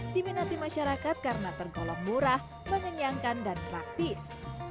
diminati masyarakat karena tergolong murah mengenyangkan dan praktis